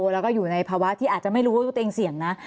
แล้วก็อยู่ในภาวะที่อาจจะไม่รู้ว่าตัวเองเสี่ยงนะ